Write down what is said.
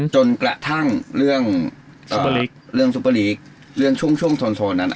จนกระทั่งเรื่องซุปเปอร์ลีกเรื่องช่วงช่วงโซนนั้น